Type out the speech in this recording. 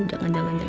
jangan jangan jangan